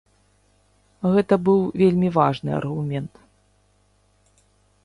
Гэта быў вельмі важны аргумент.